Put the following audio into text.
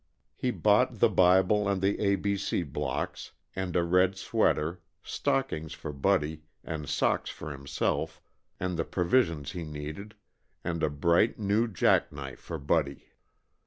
He bought the Bible and the A. B. C. blocks, and a red sweater, stockings for Buddy and socks for himself, and the provisions he needed, and a bright, new jack knife for Buddy.